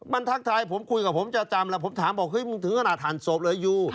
มันทักทายผมคุยกับผมจะจำแล้วผมถามบอกเฮ้มึงถึงขนาดหั่นศพเลยยู